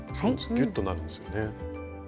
ぎゅっとなるんですよね。